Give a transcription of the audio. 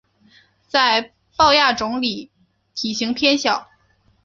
在豹亚种里体型偏小。